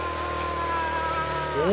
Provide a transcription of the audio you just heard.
お！